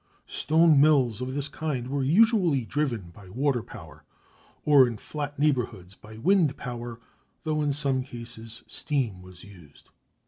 Stone mills of this kind were usually driven by water power, or in flat neighbourhoods by wind power, though in some cases steam was used.